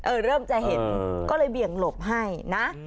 เริ่มจะเห็นก็เลยเบี่ยงหลบให้นะ